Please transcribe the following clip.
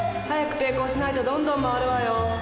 早く抵抗しないとどんどん回るわよ。